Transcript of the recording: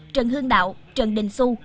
trần hương đạo trần đình xu